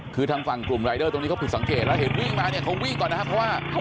คือทางฝั่งกลุ่มรายเดอร์ตรงนี้เขาผิดสังเกตแล้วเห็นวิ่งมาเนี่ยเขาวิ่งก่อนนะครับเพราะว่า